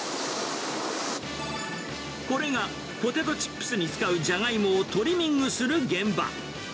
これが、ポテトチップスに使うジャガイモをトリミングする現場。